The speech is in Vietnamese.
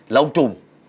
là ông trùm